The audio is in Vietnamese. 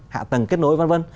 hạ tầng kết nối v v